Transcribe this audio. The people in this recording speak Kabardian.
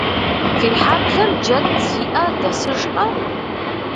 Фи хьэблэм джэд зиӏэ дэсыжкъэ?